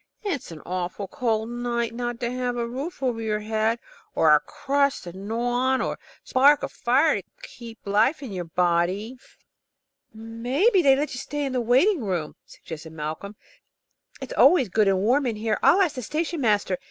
It's an awful cold night not to have a roof over your head, or a crust to gnaw on, or a spark of fire to keep life in your body." "Maybe they'd let you stay in the waiting room," suggested Malcolm. "It is always good and warm in here. I'll ask the station master.